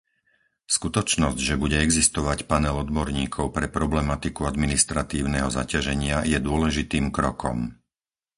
Skutočnosť, že bude existovať panel odborníkov pre problematiku administratívneho zaťaženia je dôležitým krokom.